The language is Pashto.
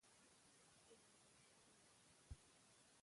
سخت يې حيران کړى وم.